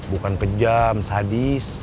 bukan kejam sadis